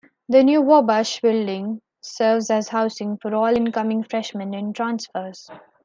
The new Wabash building serves as housing for all incoming freshmen and transfers.